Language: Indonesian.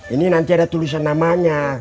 ini nanti ada tulisan namanya